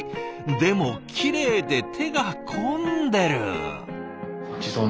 でもキレイで手が込んでる。